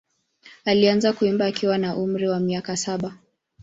Alianza kuimba akiwa na umri wa miaka saba.